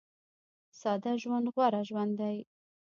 ساده ژوند غوره ژوند دی